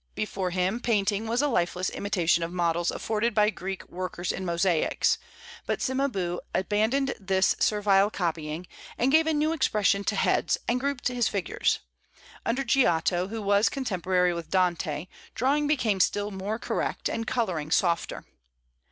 Before him, painting was a lifeless imitation of models afforded by Greek workers in mosaics; but Cimabue abandoned this servile copying, and gave a new expression to heads, and grouped his figures. Under Giotto, who was contemporary with Dante, drawing became still more correct, and coloring softer.